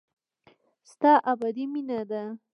ستا ابدي مينه ده.